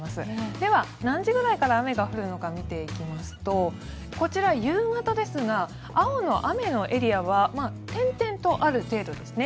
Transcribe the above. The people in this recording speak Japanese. では、何時ぐらいから雨が降るのか見ていきますとこちら、夕方ですが青の雨のエリアは点々とある程度ですね。